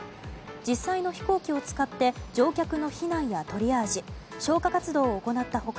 実際の飛行機を使って乗客の避難やトリアージ消火活動を行った他